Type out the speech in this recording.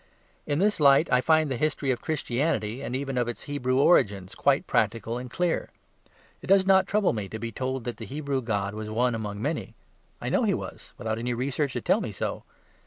In this light I find the history of Christianity, and even of its Hebrew origins, quite practical and clear. It does not trouble me to be told that the Hebrew god was one among many. I know he was, without any research to tell me so.